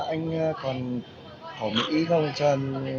anh còn hổ mỹ không cho em mua một gói ạ